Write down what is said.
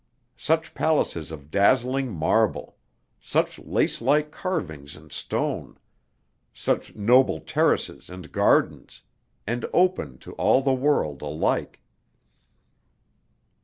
Such palaces of dazzling marble; such lace like carvings in stone; such noble terraces and gardens; and open to all the world alike.